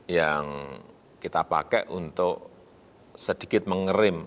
yang kita pakai untuk sedikit mengerim